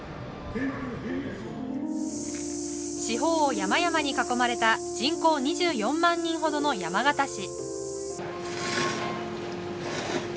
四方を山々に囲まれた人口２４万人ほどの山形市。